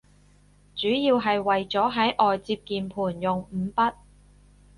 主要係為咗喺外接鍵盤用五筆